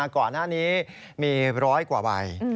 ก่อนหน้านี้มี๑๐๐กว่าใบ